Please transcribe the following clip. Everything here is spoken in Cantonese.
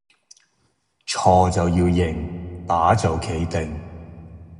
錯就要認，打就企定